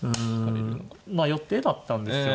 まあ予定だったんですよね。